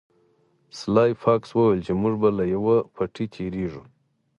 سلای فاکس وویل چې موږ به له یوه پټي تیریږو